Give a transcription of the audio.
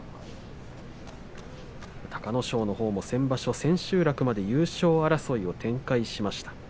隆の勝のほうも先場所、先々場所優勝争いを展開しました。